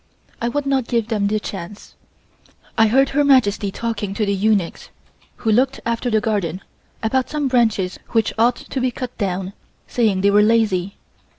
I would not give them the chance. I heard Her Majesty talking to the eunuchs who looked after the garden, about some branches which ought to be cut down, saying they were lazy.